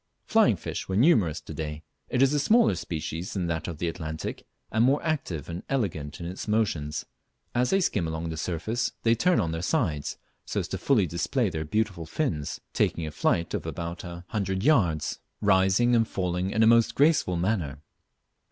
Flying fish were numerous to day. It is a smaller species than that of the Atlantic, and more active and elegant in its motions. As they skim along the surface they turn on their sides, so as fully to display their beautiful fins, taking a flight of about a hundred yards, rising and falling in a most graceful manner.